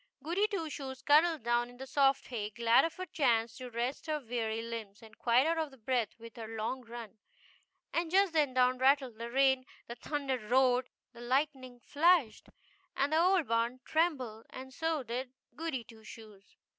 Goody Two Shoes cuddled down in the soft hay, glad of a chance to rest her weary limbs, and quite out of breath with her long run ; and just then down rattled the rain, the thunder roared, the lightning flashed, and the old barn trembled, and so did Goody Two Shoes.